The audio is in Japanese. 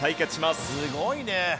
すごいね。